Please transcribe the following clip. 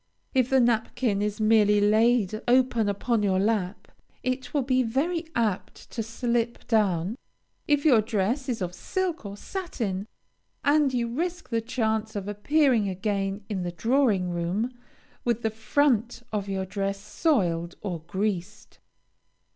If the napkin is merely laid open upon your lap, it will be very apt to slip down, if your dress is of silk or satin, and you risk the chance of appearing again in the drawing room with the front of your dress soiled or greased.